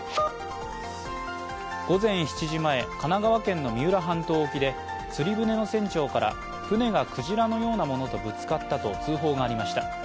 午前７時前、神奈川県の三浦半島沖で釣り船の船長から、船がくじらのようなものとぶつかったと通報がありました。